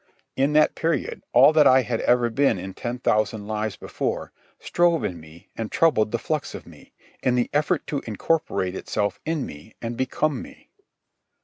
In that period all that I had ever been in ten thousand lives before strove in me, and troubled the flux of me, in the effort to incorporate itself in me and become me.